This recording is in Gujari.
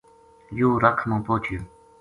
یوہ رکھ ما پوہچیو